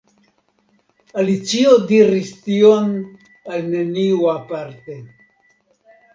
Alicio diris tion al neniu aparte.